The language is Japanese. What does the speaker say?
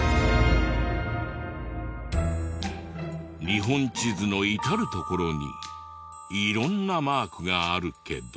日本地図の至る所に色んなマークがあるけど。